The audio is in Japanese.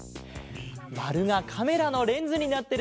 まるがカメラのレンズになってるね！